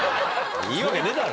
いいわけねえだろ。